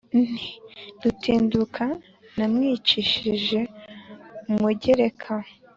Nti: "Rutinduka namwicishije umugereka